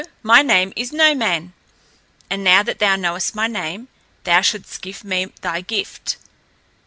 my name is No Man. And now that thou knowest my name, thou shouldst give me thy gift."